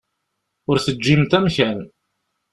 Ur teǧǧimt amkan.